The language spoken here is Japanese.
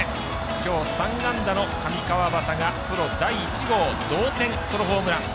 きょう３安打の上川畑がプロ第１号同点ソロホームラン。